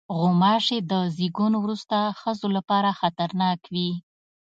غوماشې د زیږون وروسته ښځو لپاره خطرناک وي.